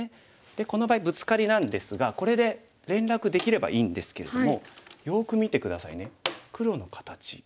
この場合ブツカリなんですがこれで連絡できればいいんですけれどもよく見て下さいね黒の形。